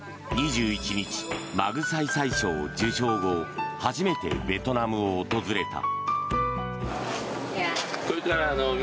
２１日、マグサイサイ賞受賞後初めてベトナムを訪れた。